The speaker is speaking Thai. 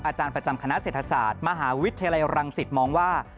อาจารย์ประจำคณะเศรษฐศาสตร์มหาวิทยาลัยรังสิตมองว่า